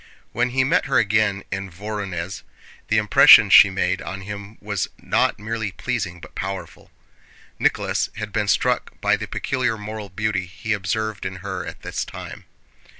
When he met her again in Vorónezh the impression she made on him was not merely pleasing but powerful. Nicholas had been struck by the peculiar moral beauty he observed in her at this time.